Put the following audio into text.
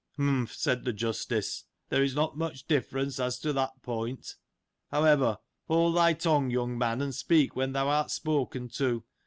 "Humph!" said the Justice; " there is not much difference, as to that point. However, hold thy tongue, young man, and speak when thou art spoken to.